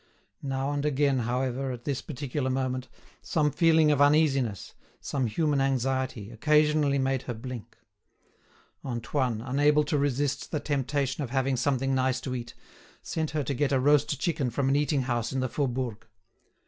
Now and again, however, at this particular moment, some feeling of uneasiness, some human anxiety, occasionally made her blink. Antoine, unable to resist the temptation of having something nice to eat, sent her to get a roast chicken from an eating house in the Faubourg.